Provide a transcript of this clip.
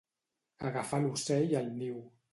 Agafar l'ocell al niu.